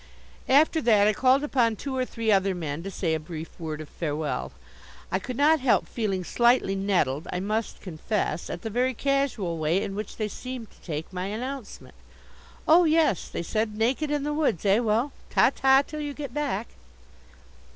After that I called upon two or three other men to say a brief word of farewell. I could not help feeling slightly nettled, I must confess, at the very casual way in which they seemed to take my announcement. "Oh, yes," they said, "naked in the woods, eh? Well, ta ta till you get back."